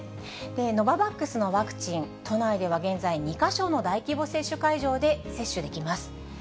ノババックスのワクチン、都内では現在、２か所の大規模接種会場で接種できます。